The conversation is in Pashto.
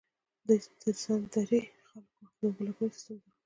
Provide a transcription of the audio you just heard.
د سند درې خلکو د اوبو لګولو سیستم درلود.